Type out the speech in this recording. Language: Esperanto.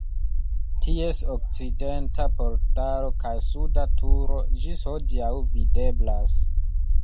Ties okcidenta portalo kaj suda turo ĝis hodiaŭ videblas.